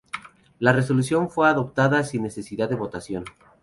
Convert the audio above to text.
La resolución fue adoptada sin necesidad de votación.